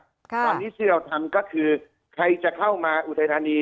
ตอนนี้ที่เราทำก็คือใครจะเข้ามาอุทัยธานี